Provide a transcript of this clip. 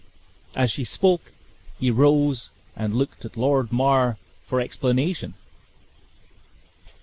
As she spoke, he rose and looked at Lord Mar for explanation.